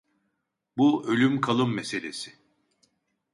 Bu ölüm kalım meselesi.